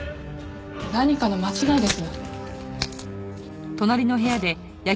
何かの間違いです。